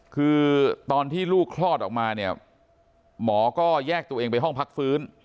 คือตอนที่ลูกคลอดออกมาเนี่ยหมอก็แยกตัวเองไปห้องพักฟื้น